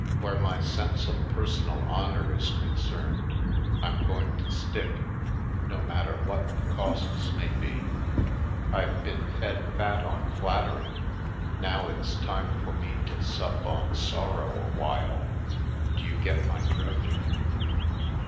Where my sense of personal honor is con cerned I'm going to stick, no matter what the costs may be. I've been fed fat on flattery; now it's time for me to sup on sor row awhile. Do you get my drift?"